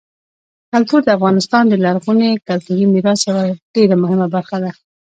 کلتور د افغانستان د لرغوني کلتوري میراث یوه ډېره مهمه برخه ده.